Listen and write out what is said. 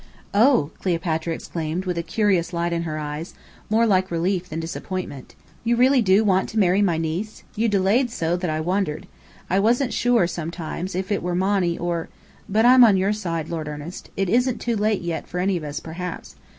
"Oh!" Cleopatra exclaimed, with a curious light in her eyes, more like relief than disappointment. "You really do want to marry my niece? You delayed so, that I wondered. I wasn't sure, sometimes, if it were Monny or but I am on your side, Lord Ernest. It isn't too late yet for any of us, perhaps.